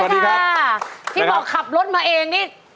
ที่บอกขับรถมาเองนี่